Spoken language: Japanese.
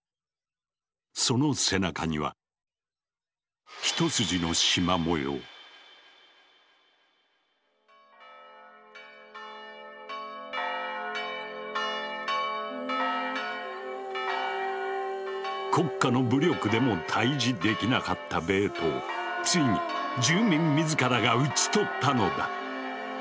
その背中には国家の武力でも退治できなかったベートをついに住民自らが討ち取ったのだ。